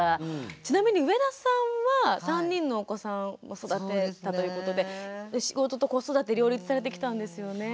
ちなみに上田さんは３人のお子さんを育てたということで仕事と子育て両立されてきたんですよね。